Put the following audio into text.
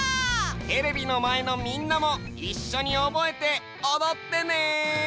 テレビのまえのみんなもいっしょにおぼえておどってね！